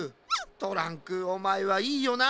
トランクおまえはいいよな。